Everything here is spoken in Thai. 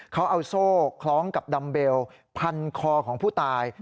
เขาเอาโซ่คล้องกับดัมเบลพันคอของผู้ตาย